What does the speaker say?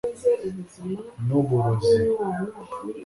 nuburozi